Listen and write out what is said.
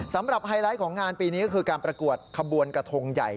ไฮไลท์ของงานปีนี้ก็คือการประกวดขบวนกระทงใหญ่